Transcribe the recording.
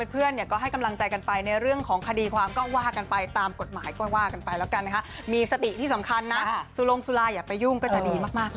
เพราะฉะนั้นเราก็มีหน้าที่เดินหน้าต่อไป